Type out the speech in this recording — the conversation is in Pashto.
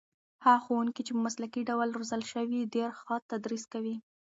هغه ښوونکي چې په مسلکي ډول روزل شوي ډېر ښه تدریس کوي.